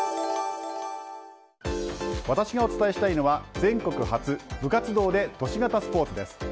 私がお伝えしたいのは全国初部活動で都市型スポーツです。